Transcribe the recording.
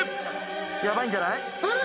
ヤバいんじゃない？